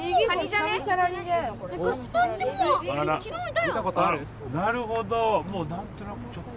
なるほど。